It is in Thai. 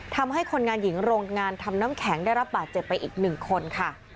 ทำให้คนงานหญิงโรงงานทำน้ำแข็งได้รับบาดเจ็บไปอีก๑คนค่ะ